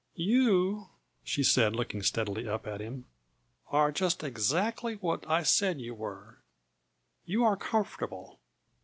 "You," she said, looking steadily up at him, "are just exactly what I said you were. You are comfortable."